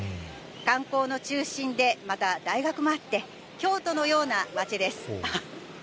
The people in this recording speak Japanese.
観光の中心で、また大学もあって、京都のような街です。